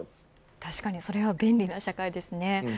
確かにそれは便利な社会ですね。